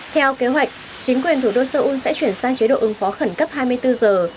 theo kế hoạch chính quyền thủ đô seoul sẽ chuyển sang chế độ ứng phó khẩn cấp hai mươi bốn giờ